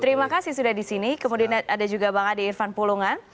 terima kasih sudah di sini kemudian ada juga bang ade irfan pulungan